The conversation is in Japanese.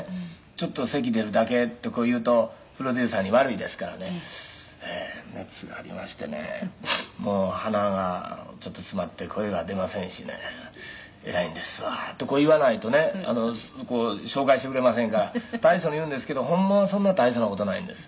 「“ちょっとせき出るだけ”ってこう言うとプロデューサーに悪いですからね“ええー熱がありましてねもう鼻がちょっと詰まって声が出ませんしねえらいんですわ”とこう言わないとね紹介してくれませんから大層に言うんですけどほんまはそんな大層な事ないんです」